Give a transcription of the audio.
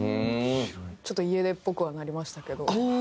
ちょっと家出っぽくはなりましたけど。